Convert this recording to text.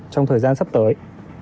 trong thời gian sắp tới